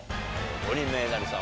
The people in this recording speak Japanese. ５人目えなりさん